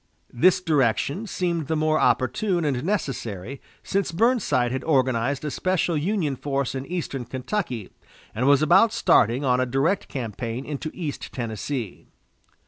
This direction seemed the more opportune and necessary, since Burnside had organized a special Union force in eastern Kentucky, and was about starting on a direct campaign into East Tennessee.